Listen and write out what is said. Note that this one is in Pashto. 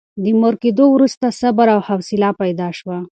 د مور کېدو وروسته صبر او حوصله پیدا شوه.